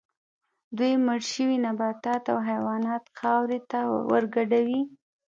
دوی مړه شوي نباتات او حیوانات خاورې ته ورګډوي